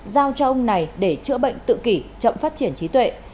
giao cho ông này để chữa bệnh tự kỷ chậm phát triển trí tuệ